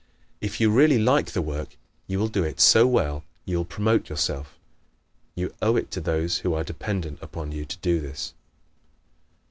If you really like the work you will do it so well you will promote yourself. You owe it to those who are dependent upon you to do this.